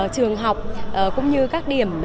trường học cũng như các điểm